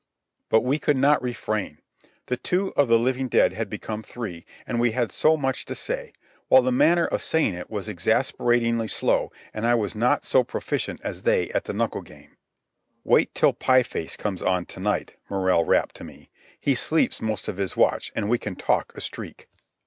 But we could not refrain. The two of the living dead had become three, and we had so much to say, while the manner of saying it was exasperatingly slow and I was not so proficient as they at the knuckle game. "Wait till Pie Face comes on to night," Morrell rapped to me. "He sleeps most of his watch, and we can talk a streak."